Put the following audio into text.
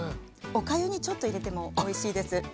おかゆにちょっと入れてもおいしいです。